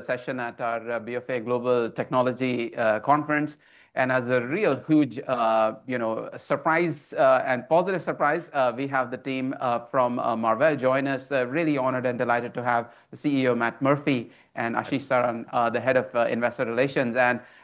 To this session at our BofA Global Technology Conference. As a real huge positive surprise, we have the team from Marvell join us. Really honored and delighted to have the CEO, Matt Murphy, and Ashish Saran, the Head of Investor Relations.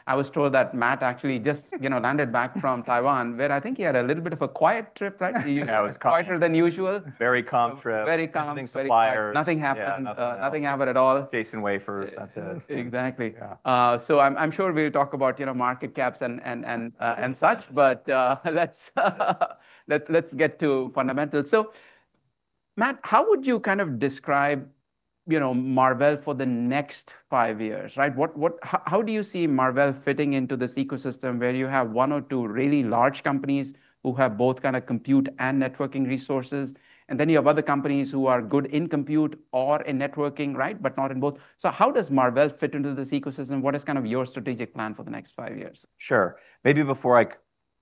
I was told that Matt actually just landed back from Taiwan, where I think he had a little bit of a quiet trip, right? Yeah, it was calm. Quieter than usual. Very calm trip. Very calm. Visiting suppliers. Nothing happened. Yeah. Nothing happened at all. Just on wafer, that's it. Exactly. Yeah. I'm sure we'll talk about market caps and such, but let's get to fundamentals. Matt, how would you describe Marvell for the next five years, right? How do you see Marvell fitting into this ecosystem where you have one or two really large companies who have both kind of compute and networking resources, and then you have other companies who are good in compute or in networking, right, but not in both. How does Marvell fit into this ecosystem? What is your strategic plan for the next five years? Sure. Maybe before I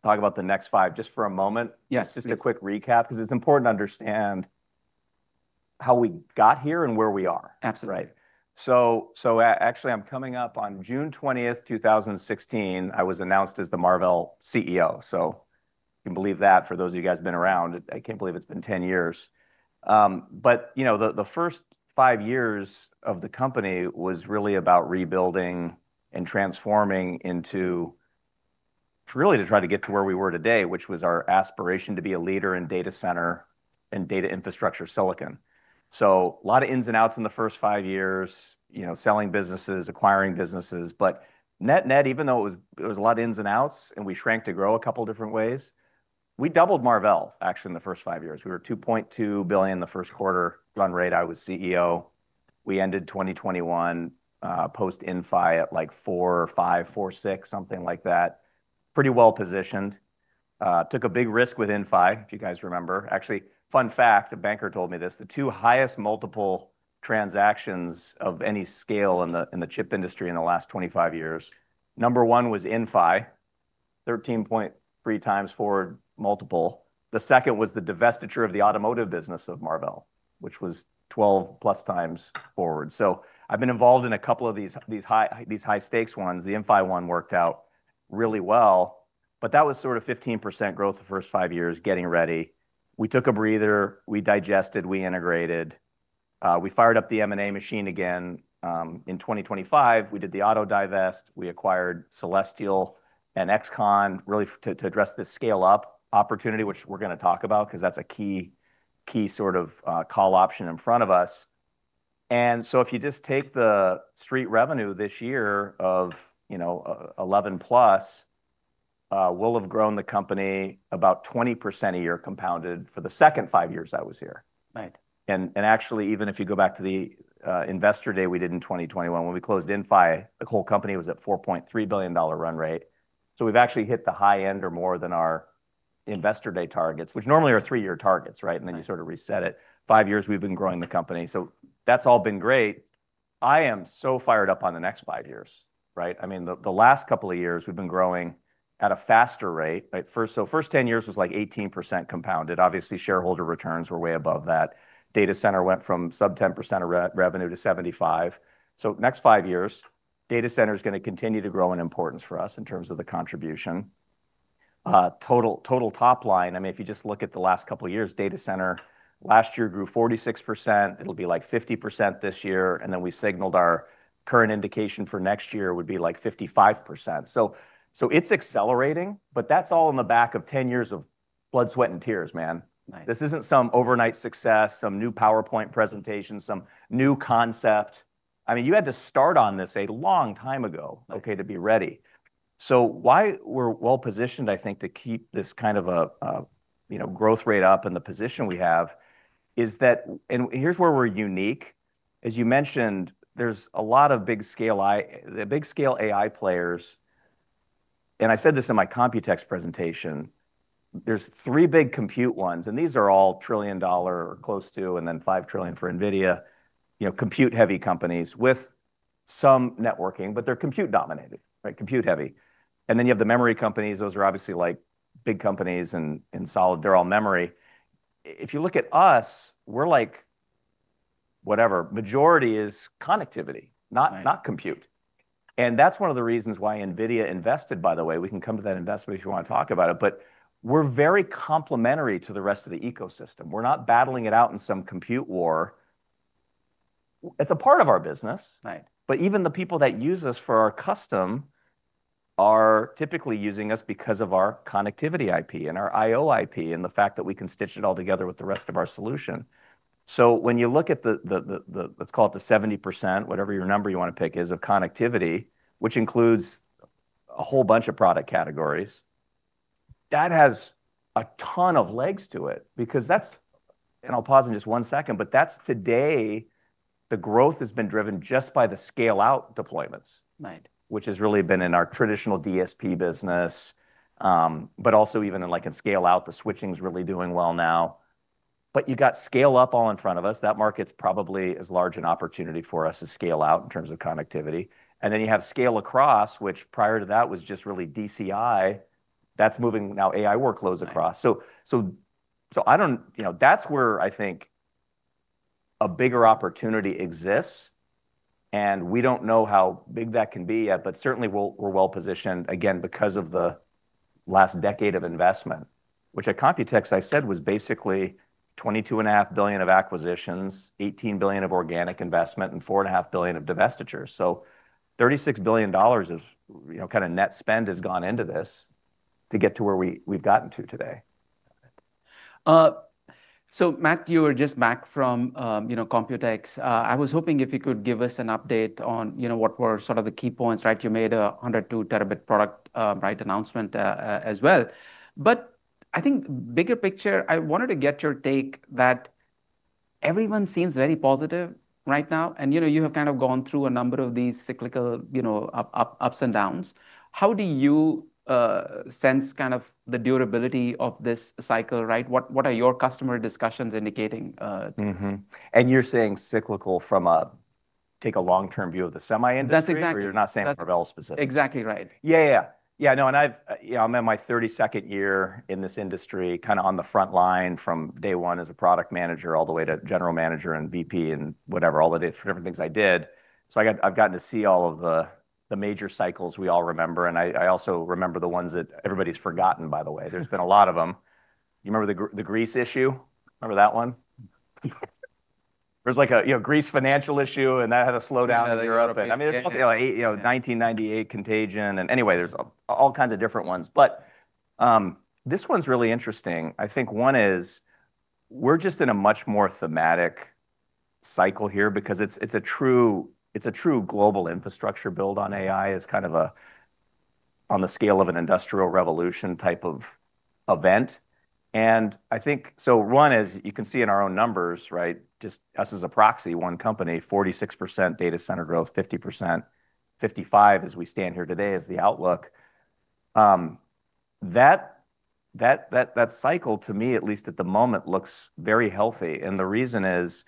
talk about the next five, just for a moment- Yes, please. Just a quick recap, because it's important to understand how we got here and where we are. Absolutely. Right. Actually, I'm coming up on June 20th, 2016, I was announced as the Marvell CEO. If you can believe that, for those of you guys who've been around, I can't believe it's been 10 years. The first five years of the company was really about rebuilding and transforming into, really to try to get to where we were today, which was our aspiration to be a leader in data center and data infrastructure silicon. A lot of ins and outs in the first five years. Selling businesses, acquiring businesses. Net-net, even though it was a lot of ins and outs and we shrank to grow a couple different ways, we doubled Marvell, actually, in the first five years. We were $2.2 billion the first quarter run rate I was CEO. We ended 2021, post Inphi at like four, five, four, six, something like that. Pretty well-positioned. Took a big risk with Inphi, if you guys remember. Actually, fun fact, a banker told me this, the two highest multiple transactions of any scale in the chip industry in the last 25 years, number one was Inphi, 13.3x forward multiple. The second was the divestiture of the automotive business of Marvell, which was 12+x forward. I've been involved in a couple of these high stakes ones. The Inphi one worked out really well, but that was sort of 15% growth the first five years, getting ready. We took a breather, we digested, we integrated. We fired up the M&A machine again. In 2025, we did the auto divest, we acquired Celestial and XConn, really to address this scale-up opportunity, which we're going to talk about, because that's a key call option in front of us. If you just take the street revenue this year of $11+, we will have grown the company about 20% a year compounded for the second five years I was here. Right. Actually, even if you go back to the investor day we did in 2021, when we closed Inphi, the whole company was at $4.3 billion run rate. We've actually hit the high end or more than our investor day targets, which normally are three-year targets, right. Then you sort of reset it. Five years we've been growing the company. That's all been great. I am so fired up on the next five years, right. The last couple of years, we've been growing at a faster rate. First 10 years was like 18% compounded. Obviously, shareholder returns were way above that. Data center went from sub 10% of revenue to 75%. Next five years, data center's going to continue to grow in importance for us in terms of the contribution. Total top line, if you just look at the last couple of years, data center last year grew 46%. It'll be like 50% this year, and then we signaled our current indication for next year would be like 55%. It's accelerating, but that's all on the back of 10 years of blood, sweat, and tears, man. Right. This isn't some overnight success, some new PowerPoint presentation, some new concept. You had to start on this a long time ago, okay, to be ready. Why we're well-positioned, I think, to keep this kind of a growth rate up and the position we have is that, and here's where we're unique. As you mentioned, there's a lot of big scale AI players, and I said this in my COMPUTEX presentation. There's three big compute ones, and these are all trillion dollar or close to, and then $5 trillion for NVIDIA, compute heavy companies with some networking, but they're compute dominated. Compute heavy. Then you have the memory companies. Those are obviously big companies and solid. They're all memory. If you look at us, we're like whatever. Majority is connectivity, not compute. Right. That's one of the reasons why NVIDIA invested, by the way. We can come to that investment if you want to talk about it. We're very complementary to the rest of the ecosystem. We're not battling it out in some compute war. It's a part of our business. Right. Even the people that use us for our custom are typically using us because of our connectivity IP and our IO IP, and the fact that we can stitch it all together with the rest of our solution. When you look at the, let's call it the 70%, whatever your number you want to pick is, of connectivity, which includes a whole bunch of product categories. That has a ton of legs to it because that's, and I'll pause in just one second, but that's today, the growth has been driven just by the scale-out deployments. Right. Which has really been in our traditional DSP business. Also even in scale out, the switching's really doing well now. You got scale up all in front of us. That market's probably as large an opportunity for us to scale out in terms of connectivity. Then you have scale across, which prior to that was just really DCI, that's moving now AI workloads across. Right. That's where I think a bigger opportunity exists, and we don't know how big that can be yet, but certainly we're well-positioned, again, because of the last decade of investment. Which at COMPUTEX, I said was basically $22.5 billion of acquisitions, $18 billion of organic investment, and $4.5 billion of divestitures. $36 billion of net spend has gone into this to get to where we've gotten to today. Matt, you are just back from COMPUTEX. I was hoping if you could give us an update on what were sort of the key points. You made Teralynx T100 product announcement as well. I think bigger picture, I wanted to get your take that everyone seems very positive right now, and you have kind of gone through a number of these cyclical ups and downs. How do you sense kind of the durability of this cycle? What are your customer discussions indicating? Mm-hmm. You're saying cyclical from a take a long-term view of the semi industry. That's exactly- You're not saying Marvell specific? Exactly right. Yeah. I'm in my 32nd year in this industry, kind of on the front line from day one as a product manager all the way to general manager and VP and whatever, all the different things I did. I've gotten to see all of the major cycles we all remember, and I also remember the ones that everybody's forgotten, by the way. There's been a lot of them. You remember the Greece issue? Remember that one? There was like a Greece financial issue, and that had a slowdown in Europe. 1998 contagion and anyway, there's all kinds of different ones. This one's really interesting. I think one is we're just in a much more thematic cycle here because it's a true global infrastructure build on AI as kind of on the scale of an industrial revolution type of event. I think, one is you can see in our own numbers, just us as a proxy, one company, 46% data center growth, 50%, 55% as we stand here today is the outlook. That cycle to me, at least at the moment, looks very healthy, and the reason is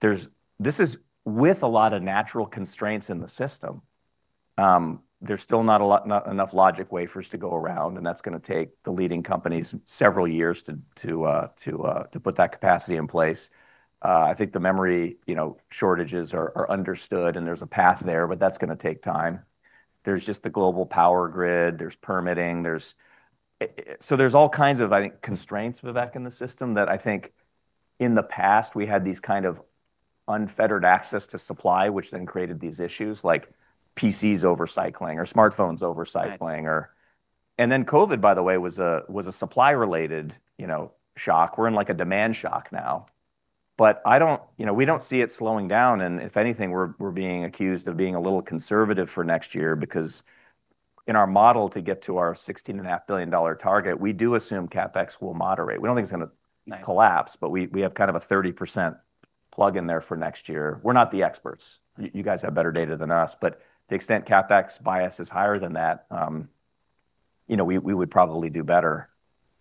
this is with a lot of natural constraints in the system. There's still not enough logic wafers to go around, and that's going to take the leading companies several years to put that capacity in place. I think the memory shortages are understood, and there's a path there, but that's going to take time. There's just the global power grid, there's permitting. There's all kinds of, I think, constraints, Vivek, in the system that I think in the past we had these kind of unfettered access to supply, which created these issues like PCs overcycling or smartphones overcycling. COVID, by the way, was a supply-related shock. We're in like a demand shock now. We don't see it slowing down, and if anything, we're being accused of being a little conservative for next year because in our model, to get to our $16.5 billion target, we do assume CapEx will moderate. We don't think it's going to collapse, but we have kind of a 30% plug in there for next year. We're not the experts. You guys have better data than us. To the extent CapEx bias is higher than that, we would probably do better.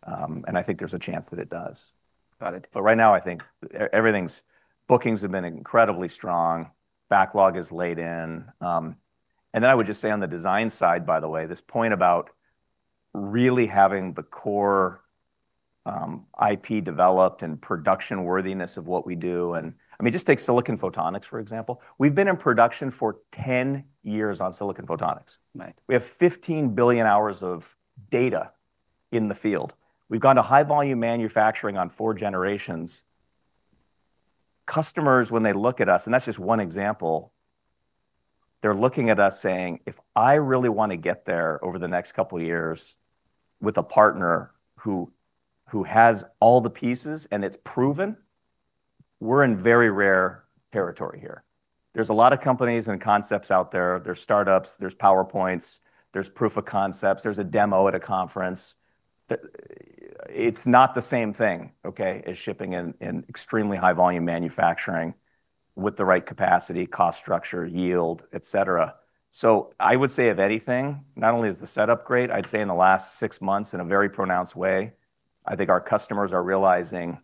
I think there's a chance that it does. Got it. Right now, I think bookings have been incredibly strong, backlog is laid in. I would just say on the design side, by the way, this point about really having the core IP developed and production worthiness of what we do. Just take silicon photonics, for example. We've been in production for 10 years on silicon photonics. Right. We have 15 billion hours of data in the field. We've gone to high volume manufacturing on four generations. Customers, when they look at us, and that's just one example, they're looking at us saying, "If I really want to get there over the next couple of years with a partner who has all the pieces and it's proven," we're in very rare territory here. There's a lot of companies and concepts out there. There's startups, there's PowerPoints, there's proof of concepts, there's a demo at a conference. It's not the same thing as shipping in extremely high volume manufacturing with the right capacity, cost structure, yield, et cetera. I would say if anything, not only is the setup great, I'd say in the last six months in a very pronounced way, I think our customers are realizing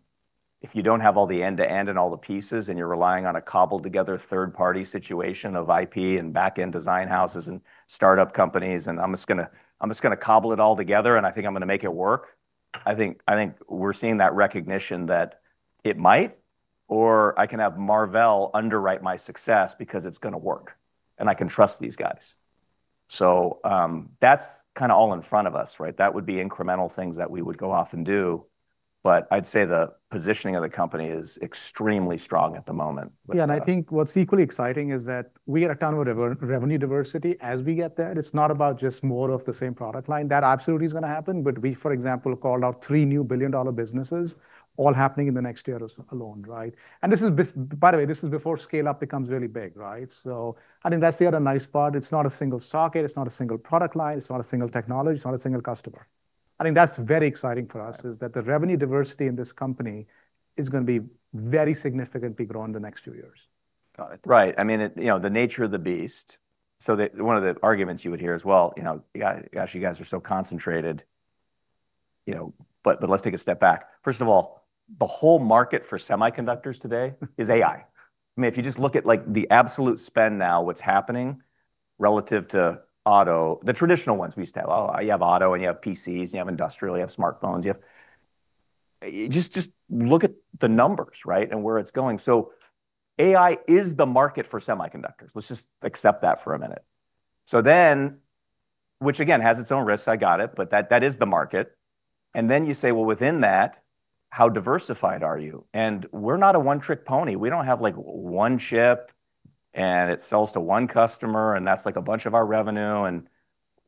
if you don't have all the end-to-end and all the pieces, and you're relying on a cobbled together third-party situation of IP and back-end design houses and startup companies, and I'm just going to cobble it all together, and I think I'm going to make it work. I think we're seeing that recognition that it might, or I can have Marvell underwrite my success because it's going to work, and I can trust these guys. That's kind of all in front of us. That would be incremental things that we would go off and do. I'd say the positioning of the company is extremely strong at the moment. Yeah, I think what's equally exciting is that we get a ton of revenue diversity as we get there. It's not about just more of the same product line. That absolutely is going to happen, we, for example, called out three new billion-dollar businesses all happening in the next year alone. By the way, this is before scale-up becomes really big. I think that's the other nice part. It's not a single socket, it's not a single product line, it's not a single technology, it's not a single customer. I think that's very exciting for us is that the revenue diversity in this company is going to be very significantly grown in the next few years. Got it. Right. The nature of the beast. One of the arguments you would hear is, "Well, gosh, you guys are so concentrated." Let's take a step back. First of all, the whole market for semiconductors today is AI. If you just look at the absolute spend now, what's happening relative to auto, the traditional ones we used to have. Oh, you have auto, and you have PCs, and you have industrial, you have smartphones. Just look at the numbers, and where it's going. AI is the market for semiconductors. Let's just accept that for a minute. Then, which again, has its own risks, I got it, but that is the market. Then you say, well, within that, how diversified are you? We're not a one-trick pony. We don't have one chip, and it sells to one customer, and that's a bunch of our revenue.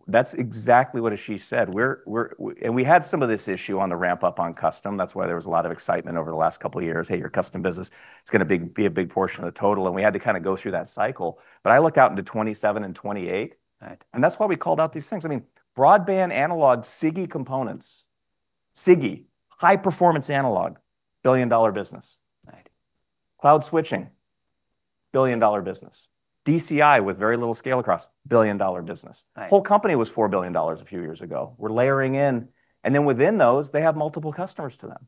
That's exactly what Ashish said. We had some of this issue on the ramp up on custom. That's why there was a lot of excitement over the last couple of years. Hey, your custom business is going to be a big portion of the total, and we had to kind of go through that cycle. I look out into 2027 and 2028, right? That's why we called out these things. Broadband analog SiGe components. SiGe, high performance analog, billion-dollar business. Right. Cloud switching, billion-dollar business. DCI with very little scale across, billion-dollar business. Right. Whole company was $4 billion a few years ago. We're layering in, and then within those, they have multiple customers to them.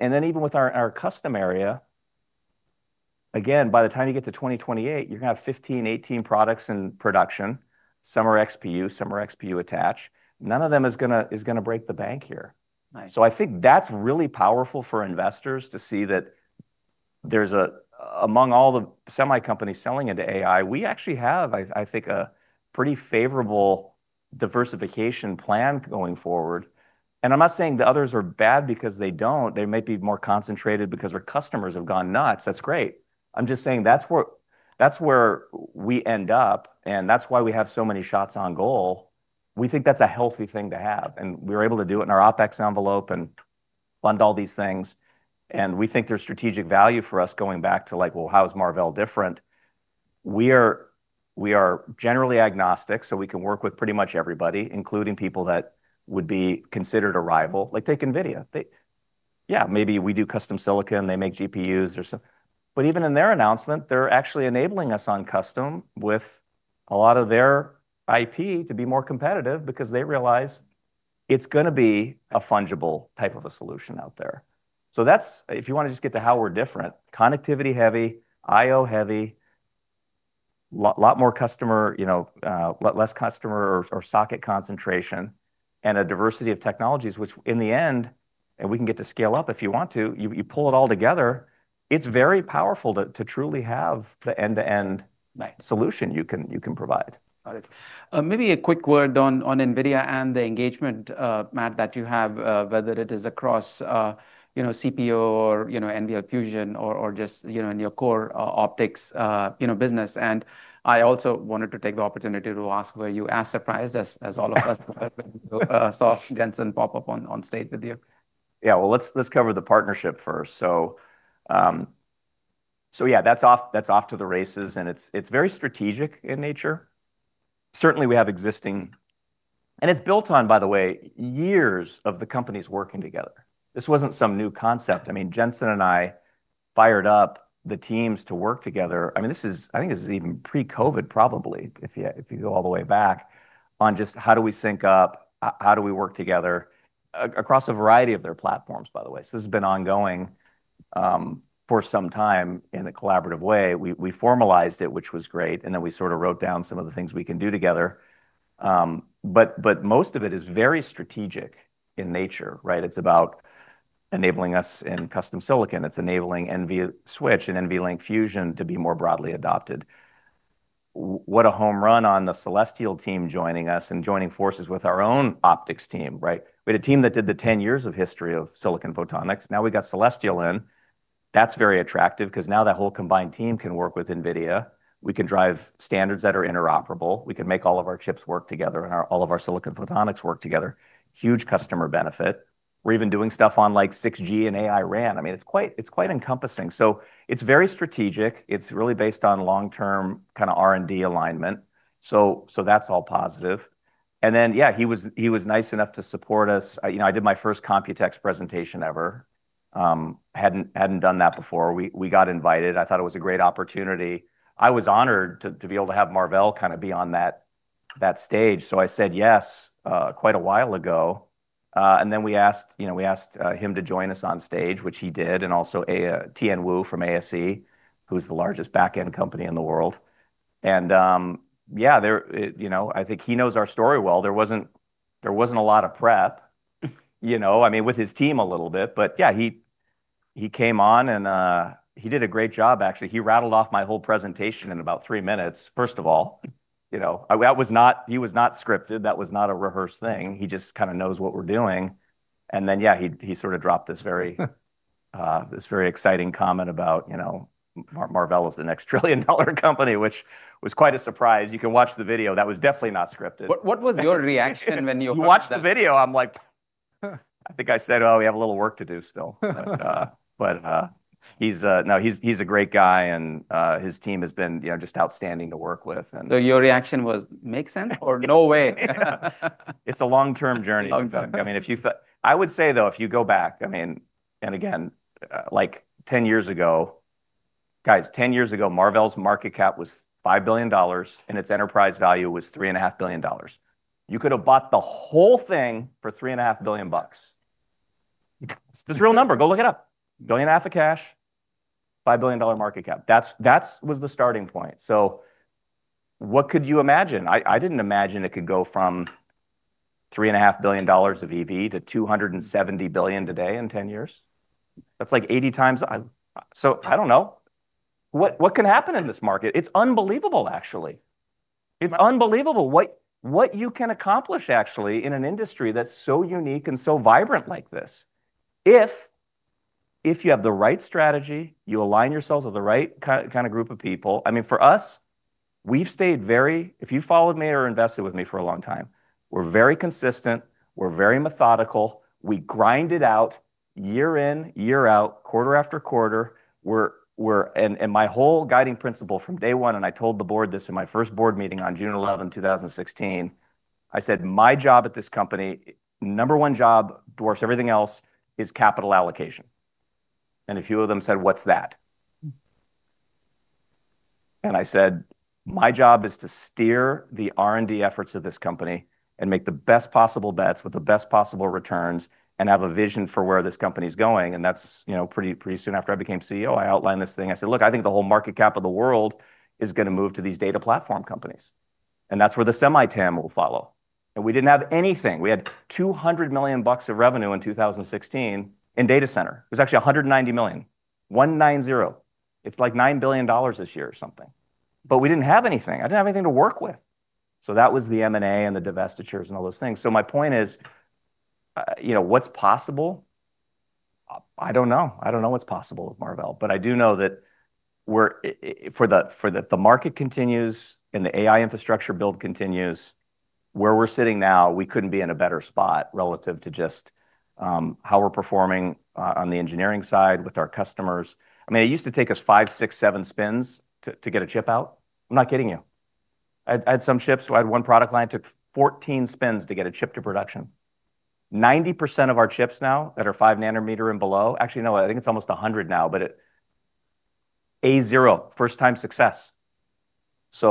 Then even with our custom area, again, by the time you get to 2028, you're going to have 15, 18 products in production. Some are XPU, some are XPU attach. None of them is going to break the bank here. Right. I think that's really powerful for investors to see that among all the semi companies selling into AI, we actually have, I think, a pretty favorable diversification plan going forward. I'm not saying the others are bad because they don't. They might be more concentrated because their customers have gone nuts. That's great. I'm just saying that's where we end up, and that's why we have so many shots on goal. We think that's a healthy thing to have, and we're able to do it in our OPEX envelope and fund all these things. We think there's strategic value for us going back to like, well, how is Marvell different? We are generally agnostic, so we can work with pretty much everybody, including people that would be considered a rival. Like take NVIDIA. Yeah, maybe we do custom silicon, they make GPUs or something. Even in their announcement, they're actually enabling us on custom with a lot of their IP to be more competitive because they realize it's going to be a fungible type of a solution out there. If you want to just get to how we're different, connectivity heavy, IO heavy, lot less customer or socket concentration, and a diversity of technologies. Which in the end, and we can get to scale-up if you want to, you pull it all together, it's very powerful to truly have the end-to-end. Right Solution you can provide. Got it. Maybe a quick word on NVIDIA and the engagement, Matt, that you have, whether it is across CPO or NVLink Fusion or just in your core optics business. I also wanted to take the opportunity to ask, were you as surprised as all of us when you saw Jensen pop up on stage with you? Let's cover the partnership first. That's off to the races, and it's very strategic in nature. Certainly, it's built on, by the way, years of the companies working together. This wasn't some new concept. Jensen and I fired up the teams to work together. I think this is even pre-COVID, probably, if you go all the way back, on just how do we sync up, how do we work together across a variety of their platforms, by the way. This has been ongoing for some time in a collaborative way. We formalized it, which was great, and then we sort of wrote down some of the things we can do together. Most of it is very strategic in nature, right? It's about enabling us in custom silicon. It's enabling NVSwitch and NVLink Fusion to be more broadly adopted. What a home run on Celestial joining us and joining forces with our own optics team, right? We had a team that did the 10 years of history of silicon photonics. We got Celestial in. That's very attractive because now that whole combined team can work with NVIDIA. We can drive standards that are interoperable. We can make all of our chips work together and all of our silicon photonics work together. Huge customer benefit. We're even doing stuff on 6G and AI RAN. It's quite encompassing. It's very strategic. It's really based on long-term R&D alignment. That's all positive. Yeah, he was nice enough to support us. I did my first COMPUTEX presentation ever. Hadn't done that before. We got invited. I thought it was a great opportunity. I was honored to be able to have Marvell be on that stage. I said yes quite a while ago. Then we asked him to join us on stage, which he did, and also Tien Wu from ASE, who's the largest backend company in the world. I think he knows our story well. There wasn't a lot of prep. With his team a little bit, but he came on and he did a great job, actually. He rattled off my whole presentation in about three minutes, first of all. He was not scripted. That was not a rehearsed thing. He just kind of knows what we're doing. Then he sort of dropped this very exciting comment about Marvell is the next trillion-dollar company, which was quite a surprise. You can watch the video. That was definitely not scripted. What was your reaction when you watched that? You watch the video, I think I said, "Oh, we have a little work to do still." No, he's a great guy, and his team has been just outstanding to work with. Your reaction was, makes sense, or no way? It's a long-term journey. Long-term. I would say, though, if you go back. Again, 10 years ago, Marvell's market cap was $5 billion, and its enterprise value was $3.5 billion. You could've bought the whole thing for $3.5 billion. It's a real number. Go look it up. $1.5 billion of cash, $5 billion market cap. That was the starting point. What could you imagine? I didn't imagine it could go from $3.5 billion of EV to $270 billion today in 10 years. That's like 80 times. I don't know. What can happen in this market? It's unbelievable, actually. It's unbelievable what you can accomplish, actually, in an industry that's so unique and so vibrant like this. If you have the right strategy, you align yourself with the right group of people. For us, if you've followed me or invested with me for a long time, we're very consistent, we're very methodical. We grind it out year in, year out, quarter after quarter. My whole guiding principle from day one, I told the board this in my first board meeting on June 11th, 2016, I said, "My job at this company, number one job, dwarfs everything else, is capital allocation." A few of them said, "What's that?" I said, "My job is to steer the R&D efforts of this company and make the best possible bets with the best possible returns, and have a vision for where this company's going." That's pretty soon after I became CEO, I outlined this thing. I said, "Look, I think the whole market cap of the world is going to move to these data platform companies. That's where the semi-TAM will follow." We didn't have anything. We had $200 million of revenue in 2016 in data center. It was actually $190 million. 1-9-0. It's like $9 billion this year or something. We didn't have anything. I didn't have anything to work with. That was the M&A and the divestitures and all those things. My point is, what's possible? I don't know. I don't know what's possible with Marvell. I do know that if the market continues, and the AI infrastructure build continues, where we're sitting now, we couldn't be in a better spot relative to just how we're performing on the engineering side with our customers. It used to take us five, six, seven spins to get a chip out. I'm not kidding you. I had some chips. I had one product line took 14 spins to get a chip to production. 90% of our chips now that are 5 nanometer and below. Actually, no, I think it's almost 100 now. A0, first time success. As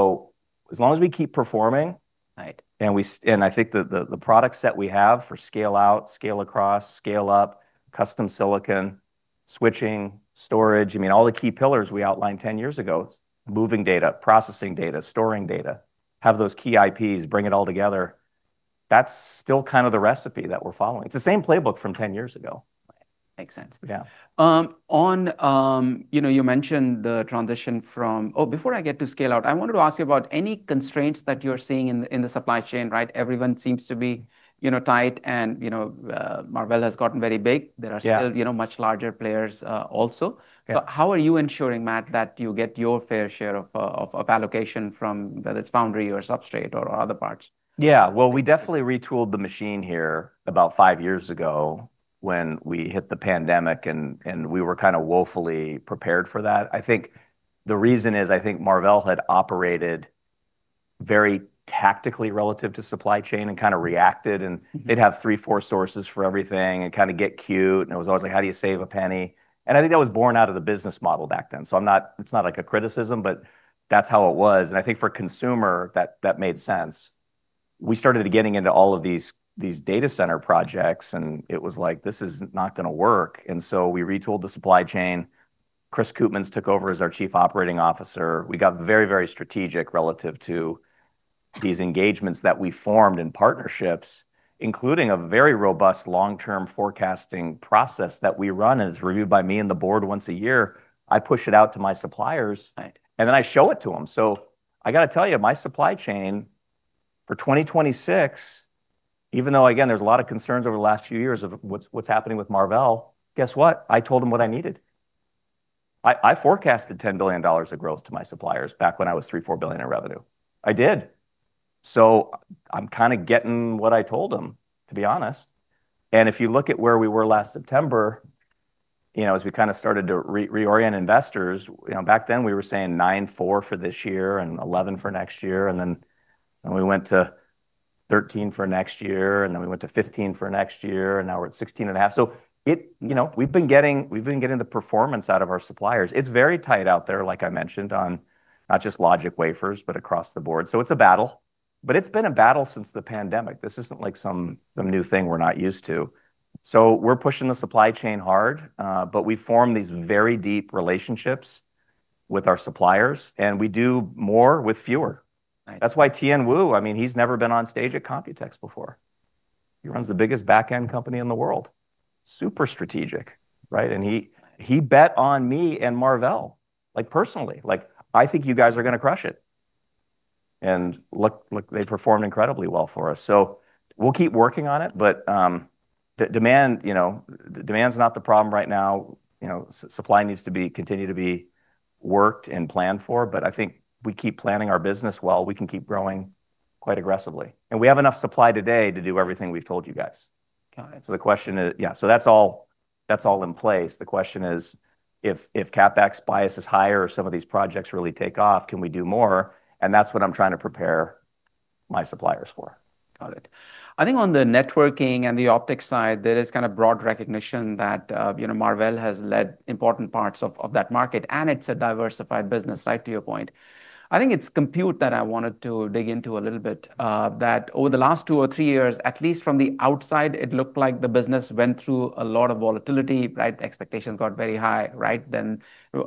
long as we keep performing. Right I think that the product set we have for scale-out, scale-across, scale-up, custom silicon, switching, storage, all the key pillars we outlined 10 years ago, moving data, processing data, storing data, have those key IPs, bring it all together. That's still the recipe that we're following. It's the same playbook from 10 years ago. Makes sense. Yeah. You mentioned the transition. Oh, before I get to scale-out, I wanted to ask you about any constraints that you're seeing in the supply chain, right? Everyone seems to be tight. Marvell has gotten very big. Yeah. There are still much larger players also. Yeah. How are you ensuring, Matt, that you get your fair share of allocation from, whether it's foundry or substrate or other parts? Yeah. Well, we definitely retooled the machine here about five years ago when we hit the pandemic, and we were woefully prepared for that. I think the reason is, I think Marvell had operated very tactically relative to supply chain and reacted. They'd have three, four sources for everything and get cute, and it was always like, how do you save a penny? I think that was born out of the business model back then. It's not like a criticism, but that's how it was, and I think for consumer, that made sense. We started getting into all of these data center projects, and it was like, "This is not going to work." We retooled the supply chain. Chris Koopmans took over as our Chief Operating Officer. We got very strategic relative to these engagements that we formed in partnerships, including a very robust long-term forecasting process that we run, and it's reviewed by me and the board once a year. I push it out to my suppliers- Right I show it to them. I got to tell you, my supply chain for 2026, even though, again, there's a lot of concerns over the last few years of what's happening with Marvell. Guess what. I told them what I needed. I forecasted $10 billion of growth to my suppliers back when I was $3 billion, $4 billion in revenue. I did. I'm getting what I told them, to be honest. If you look at where we were last September, as we started to reorient investors, back then we were saying $9.4 billion for this year and $11 billion for next year. Then we went to $13 billion for next year, then we went to $15 billion for next year, and now we're at $16.5 billion. We've been getting the performance out of our suppliers. It's very tight out there, like I mentioned, on not just logic wafers, but across the board. It's a battle. It's been a battle since the pandemic. This isn't like some new thing we're not used to. We're pushing the supply chain hard. We form these very deep relationships with our suppliers, and we do more with fewer. Right. That's why Tien Wu, he's never been on stage at COMPUTEX before. He runs the biggest back-end company in the world. Super strategic, right? He bet on me and Marvell, personally. Like, "I think you guys are going to crush it." Look, they performed incredibly well for us. We'll keep working on it, but demand's not the problem right now. Supply needs to continue to be worked and planned for, but I think we keep planning our business well. We can keep growing quite aggressively. We have enough supply today to do everything we've told you guys. Got it. That's all in place. The question is, if CapEx bias is higher or some of these projects really take off, can we do more? That's what I'm trying to prepare my suppliers for. Got it. I think on the networking and the optics side, there is broad recognition that Marvell has led important parts of that market, and it's a diversified business, right to your point. I think it's compute that I wanted to dig into a little bit, that over the last two or three years, at least from the outside, it looked like the business went through a lot of volatility, right? Expectations got very high, right?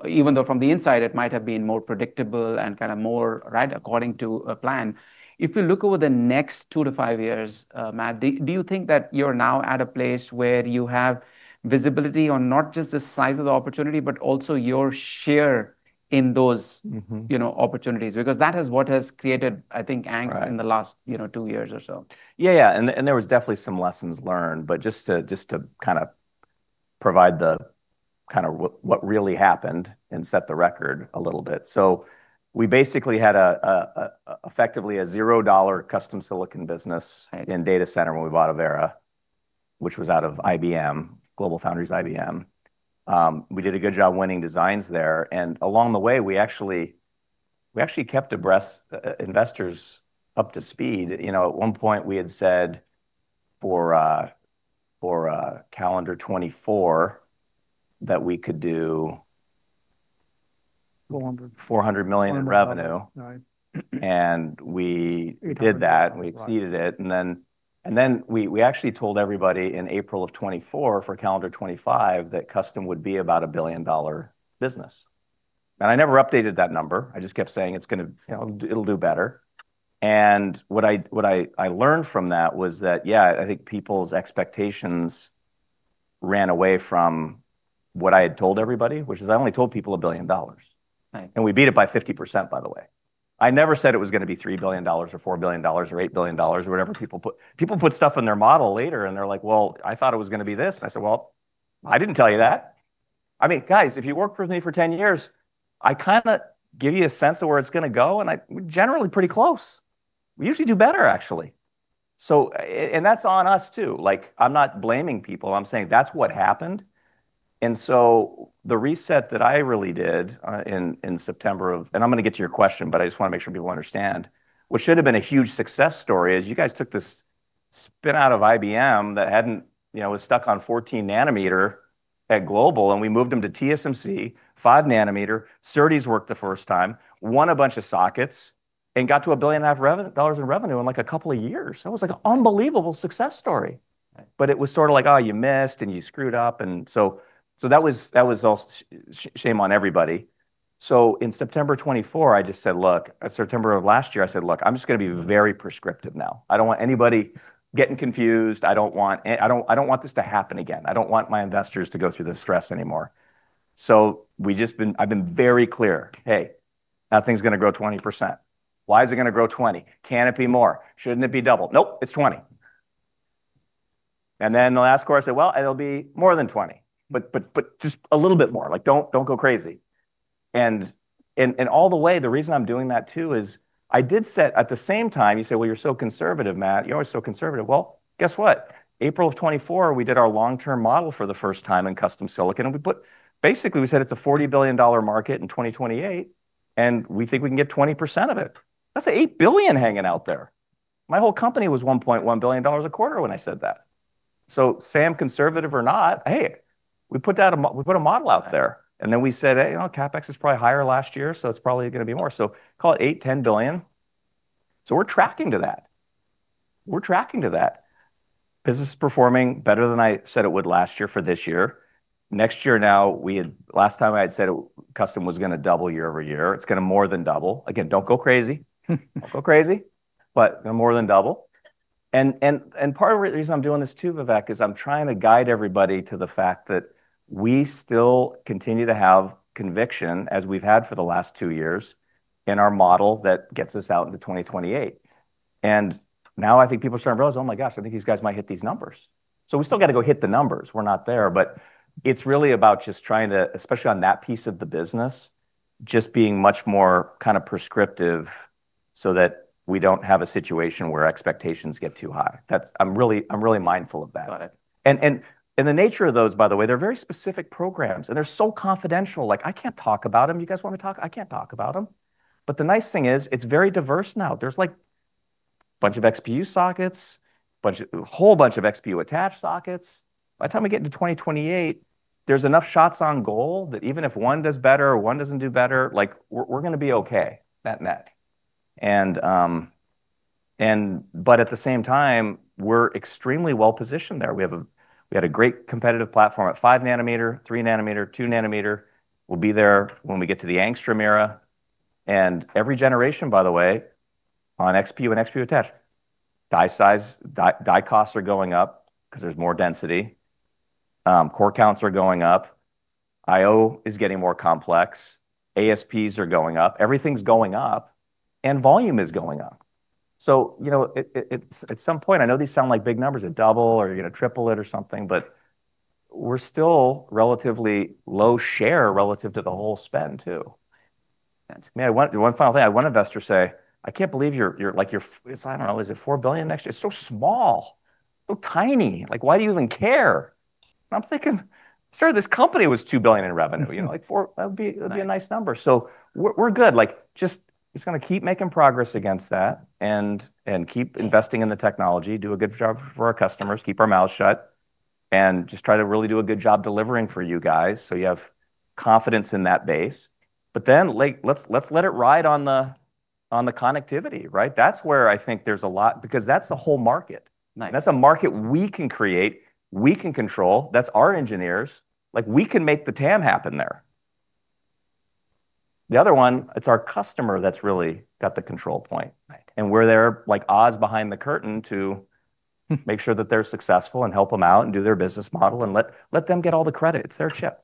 Even though from the inside it might have been more predictable and more according to a plan. If you look over the next two to five years, Matt, do you think that you're now at a place where you have visibility on not just the size of the opportunity, but also your share in those opportunities? That is what has created, I think, anger. Right In the last two years or so. Yeah. There was definitely some lessons learned. Just to provide what really happened and set the record a little bit. We basically had effectively a $0 custom silicon business in data center when we bought Avera, which was out of IBM, GlobalFoundries, IBM. We did a good job winning designs there. Along the way, we actually kept investors up to speed. At one point, we had said for calendar 2024. 400 $400 million in revenue. Right. We did that, we exceeded it. Then we actually told everybody in April of 2024 for calendar 2025 that custom would be about a billion-dollar business. I never updated that number. I just kept saying, "It'll do better." What I learned from that was that, yeah, I think people's expectations ran away from what I had told everybody, which is I only told people a billion dollars. Right. We beat it by 50%, by the way. I never said it was going to be $3 billion or $4 billion or $8 billion or whatever people put. People put stuff in their model later and they're like, "Well, I thought it was going to be this." I said, "Well, I didn't tell you that." Guys, if you've worked with me for 10 years, I give you a sense of where it's going to go, and I'm generally pretty close. We usually do better, actually. That's on us, too. I'm not blaming people. I'm saying that's what happened. The reset that I really did in September. I'm going to get to your question, but I just want to make sure people understand. What should've been a huge success story is you guys took this spin out of IBM that was stuck on 14 nanometer at Global, and we moved them to TSMC, 5 nanometer. SerDes worked the first time, won a bunch of sockets, and got to a billion and a half dollars in revenue in a couple of years. That was an unbelievable success story. Right. It was sort of like, "Oh, you missed, and you screwed up." That was all shame on everybody. In September 2024, I just said, "Look." September of last year, I said, "Look, I'm just going to be very prescriptive now. I don't want anybody getting confused. I don't want this to happen again. I don't want my investors to go through this stress anymore." I've been very clear, "Hey, that thing's going to grow 20%." Why is it going to grow 20%? Can it be more? Shouldn't it be double? Nope, it's 20%. Then the last quarter, I said, "Well, it'll be more than 20%, but just a little bit more. Don't go crazy." All the way, the reason I'm doing that too is I did set at the same time, you say, "Well, you're so conservative, Matt. You're always so conservative. Well, guess what? April of 2024, we did our long-term model for the first time in custom silicon. Basically, we said it's a $40 billion market in 2028, and we think we can get 20% of it. That's $8 billion hanging out there. My whole company was $1.1 billion a quarter when I said that. Say I'm conservative or not, hey, we put a model out there. Then we said, "You know, CapEx is probably higher last year, so it's probably going to be more." Call it $8 billion-$10 billion. We're tracking to that. We're tracking to that. Business is performing better than I said it would last year for this year. Next year now, last time I had said custom was going to double year-over-year. It's going to more than double. Again, don't go crazy. Don't go crazy, but more than double. Part of the reason I'm doing this too, Vivek, is I'm trying to guide everybody to the fact that we still continue to have conviction, as we've had for the last two years, in our model that gets us out into 2028. Now I think people are starting to realize, "Oh my gosh, I think these guys might hit these numbers." We still got to go hit the numbers. We're not there. It's really about just trying to, especially on that piece of the business, just being much more prescriptive so that we don't have a situation where expectations get too high. I'm really mindful of that. Got it. The nature of those, by the way, they're very specific programs, and they're so confidential. I can't talk about them. You guys want me to talk? I can't talk about them. The nice thing is it's very diverse now. There's a bunch of XPU sockets, a whole bunch of XPU attached sockets. By the time we get into 2028, there's enough shots on goal that even if one does better or one doesn't do better, we're going to be okay net-net. At the same time, we're extremely well-positioned there. We had a great competitive platform at 5 nanometer, 3 nanometer, 2 nanometer. We'll be there when we get to the Angstrom era. Every generation, by the way, on XPU and XPU attached, die costs are going up because there's more density. Core counts are going up. IO is getting more complex. ASPs are going up. Everything's going up and volume is going up. At some point, I know these sound like big numbers, a double or you're going to triple it or something, but we're still relatively low share relative to the whole spend, too. That's good. One final thing. I had one investor say, "I can't believe I don't know, is it $4 billion next year? It's so small, so tiny. Why do you even care?"I'm thinking, "Sir, this company was $2 billion in revenue." Like $4 is a nice number. We're good. Just going to keep making progress against that and keep investing in the technology, do a good job for our customers, keep our mouths shut, and just try to really do a good job delivering for you guys so you have confidence in that base. Let's let it ride on the connectivity, right? That's where I think there's a lot, because that's a whole market. Nice. That's a market we can create, we can control. That's our engineers. We can make the TAM happen there. The other one, it's our customer that's really got the control point. Right. We're their Oz behind the curtain to make sure that they're successful and help them out and do their business model and let them get all the credit. It's their chip.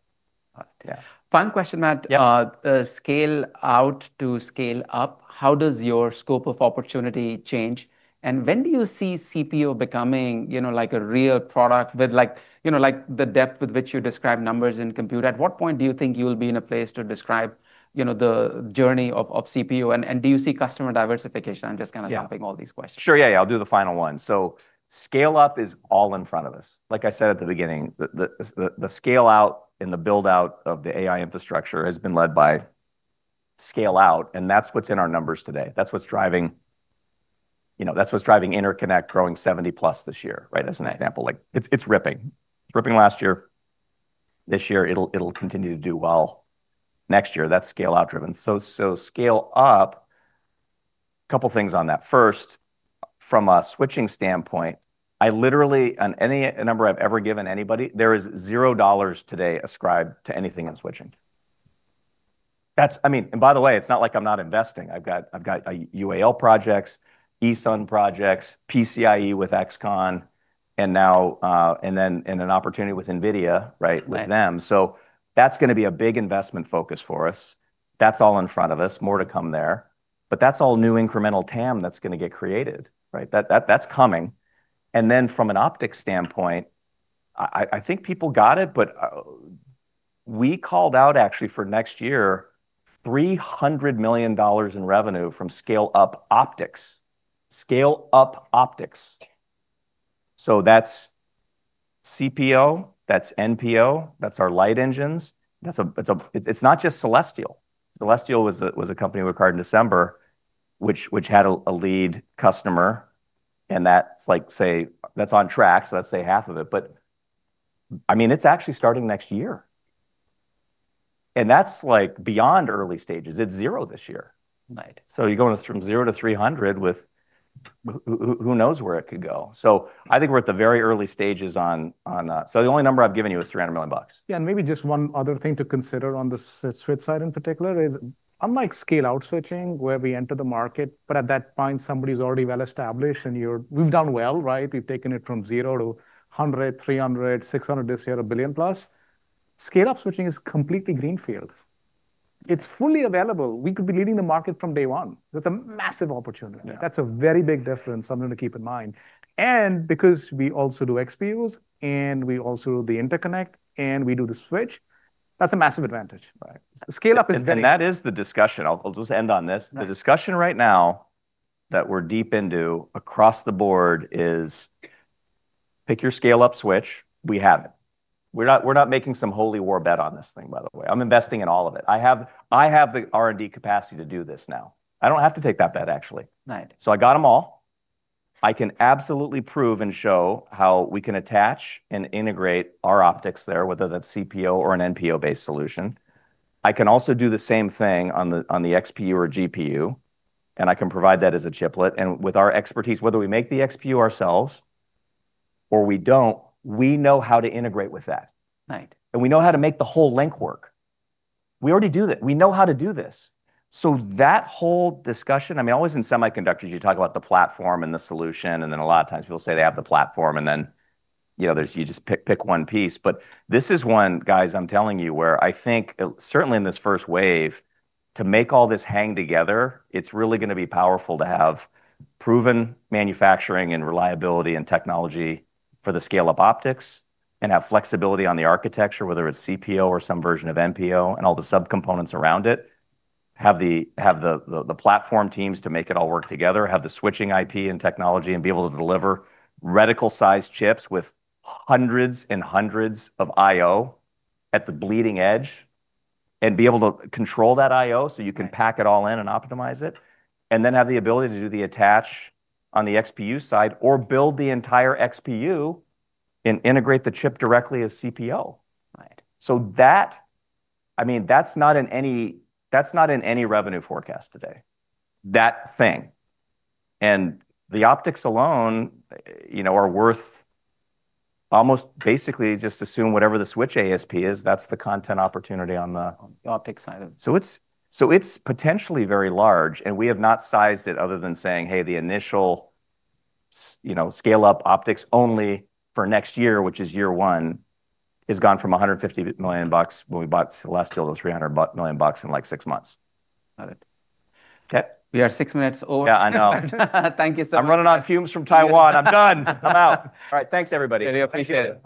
Yeah. Final question, Matt. Yeah. Scale-out to scale-up, how does your scope of opportunity change? When do you see CPO becoming a real product with the depth with which you describe numbers in compute? At what point do you think you'll be in a place to describe the journey of CPO and do you see customer diversification? Yeah Lumping all these questions. Sure, yeah, I'll do the final one. Scale-up is all in front of us. Like I said at the beginning, the scale-out and the build-out of the AI infrastructure has been led by scale-out, and that's what's in our numbers today. That's what's driving interconnect growing 70+ this year, right? As an example. It's ripping. It's ripping last year. This year it'll continue to do well. Next year, that's scale-out driven. Scale-up, couple things on that. First, from a switching standpoint, I literally, on any number I've ever given anybody, there is $0 today ascribed to anything in switching. By the way, it's not like I'm not investing. I've got UALink projects, ESON projects, PCIe with XConn, and then an opportunity with NVIDIA, right? Right. With them. That's going to be a big investment focus for us. That's all in front of us. More to come there. That's all new incremental TAM that's going to get created, right? That's coming. From an optics standpoint, I think people got it. We called out actually for next year, $300 million in revenue from scale-up optics. Scale-up optics. That's CPO, that's NPO, that's our light engines. It's not just Celestial. Celestial was a company we acquired in December, which had a lead customer. That's on track, so let's say half of it. It's actually starting next year. That's beyond early stages. It's zero this year. Right. You're going from zero to 300 with who knows where it could go. I think we're at the very early stages on that. The only number I've given you is $300 million. Maybe just one other thing to consider on the switch side in particular is unlike scale-out switching where we enter the market, but at that point, somebody's already well-established and we've done well, right? We've taken it from 0 to 100, 300, 600 this year, $1 billion plus. Scale-up switching is completely greenfield. It's fully available. We could be leading the market from day one. That's a massive opportunity. Yeah. That's a very big difference, something to keep in mind. Because we also do XPUs and we also do the interconnect and we do the switch, that's a massive advantage. Right. Scale-up is. That is the discussion. I'll just end on this. Right. The discussion right now that we're deep into across the board is pick your scale-up switch. We have it. We're not making some holy war bet on this thing, by the way. I'm investing in all of it. I have the R&D capacity to do this now. I don't have to take that bet, actually. Right. I got them all. I can absolutely prove and show how we can attach and integrate our optics there, whether that's CPO or an NPO-based solution. I can also do the same thing on the XPU or GPU, and I can provide that as a chiplet. With our expertise, whether we make the XPU ourselves or we don't, we know how to integrate with that. Right. We know how to make the whole link work. We already do that. We know how to do this. That whole discussion, always in semiconductors, you talk about the platform and the solution, and then a lot of times people say they have the platform, and then you just pick one piece. This is one, guys, I'm telling you, where I think certainly in this first wave, to make all this hang together, it's really going to be powerful to have proven manufacturing and reliability and technology for the scale-up optics and have flexibility on the architecture, whether it's CPO or some version of NPO, and all the subcomponents around it. Have the platform teams to make it all work together, have the switching IP and technology, and be able to deliver reticle-sized chips with hundreds and hundreds of IO at the bleeding edge, and be able to control that IO so you can pack it all in and optimize it, and then have the ability to do the attach on the XPU side or build the entire XPU and integrate the chip directly as CPO. Right. That's not in any revenue forecast today. That thing. The optics alone are worth almost basically just assume whatever the switch ASP is, that's the content opportunity. On the optics side of it. It's potentially very large, and we have not sized it other than saying, hey, the initial scale-up optics only for next year, which is year one, is gone from $150 million when we bought Celestial to $300 million in six months. Got it. Okay. We are six minutes over. Yeah, I know. Thank you so much. I'm running on fumes from Taiwan. I'm done. I'm out. All right. Thanks, everybody. Really appreciate it.